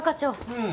うん。